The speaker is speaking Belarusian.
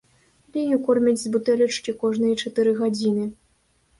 Лію кормяць з бутэлечкі кожныя чатыры гадзіны.